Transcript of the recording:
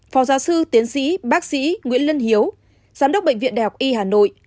phó giáo sư tiến sĩ bác sĩ nguyễn lân hiếu giám đốc bệnh viện đại học y hà nội